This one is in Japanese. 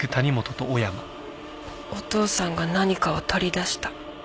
お父さんが何かを取り出した。